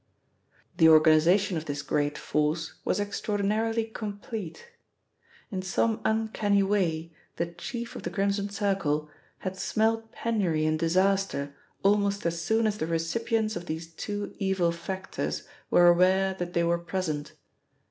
The organisation of this great force was extraordinarily complete. In some uncanny way the chief of the Crimson Circle had smelt penury and disaster almost as soon as the recipients of these two evil factors were aware that they were present.